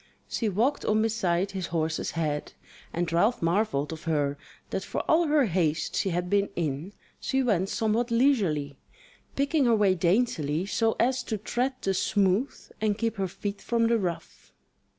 She walked on beside his horse's head; and Ralph marvelled of her that for all her haste she had been in, she went somewhat leisurely, picking her way daintily so as to tread the smooth, and keep her feet from the rough.